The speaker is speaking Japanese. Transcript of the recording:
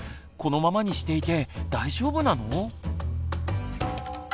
このままにしていて大丈夫なの？